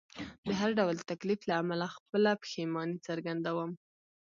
د هر ډول تکلیف له امله خپله پښیماني څرګندوم.